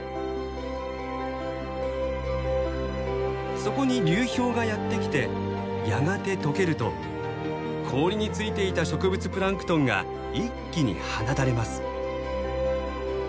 そこに流氷がやって来てやがて解けると氷についていた植物プランクトンが一気に放たれます。